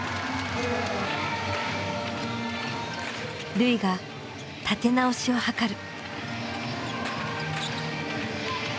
瑠唯が立て直しを図る。